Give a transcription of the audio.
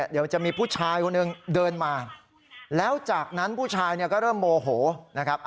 เดี๋ยวจะมีผู้ชายคนหนึ่งเดินมาแล้วจากนั้นผู้ชายเนี่ยก็เริ่มโมโหนะครับ